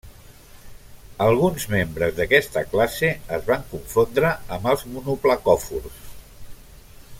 Alguns membres d'aquesta classe es van confondre amb els monoplacòfors.